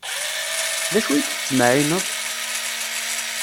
D acu i d-tettmeɛɛineḍ?